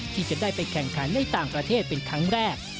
ที่จะได้ไปแข่งขันในต่างประเทศเป็นครั้งแรก